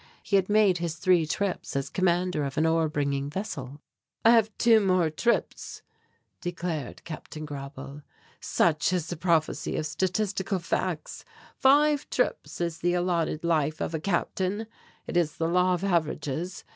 He had made his three trips as commander of an ore bringing vessel. "I have two more trips," declared Captain Grauble. "Such is the prophecy of statistical facts: five trips is the allotted life of a Captain; it is the law of averages.